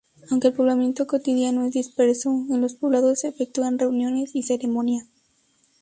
Aunque el poblamiento cotidiano es disperso, en los poblados se efectúan reuniones y ceremonias.